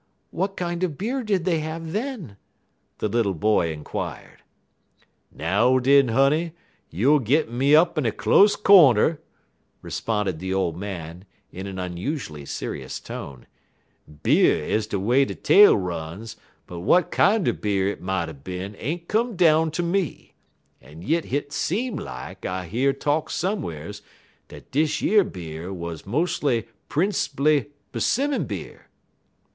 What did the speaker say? What kind of beer did they have then?" the little boy inquired. "Now, den, honey, youer gittin' me up in a close cornder," responded the old man, in an unusually serious tone. "Beer is de way de tale runs, but w'at kinder beer it moughter bin ain't come down ter me en yit hit seem lak I year talk some'rs dat dish yer beer wuz mos' prins'ply 'simmon beer."